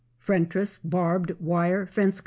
Frentress Barbed Wire Fence Co.